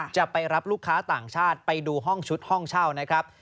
จะไปรับลูกค้าต่างชาติไปดูห้องชุดห้องเช่านะครับ